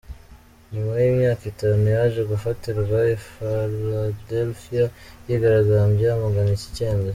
Nyuma y’imyaka itanu yaje gufatirwa i Philadelphia yigaragambya yamagana iki cyemezo.